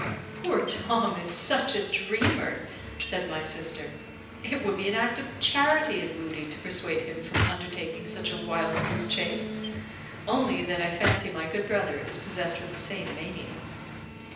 "Poor Tom is such a dreamer," said my sister, "it would be an act of charity in Moodie to persuade him from undertaking such a wild goose chase; only that I fancy my good brother is possessed with the same mania."